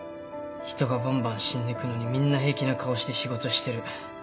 人がばんばん死んでくのにみんな平気な顔して仕事してる。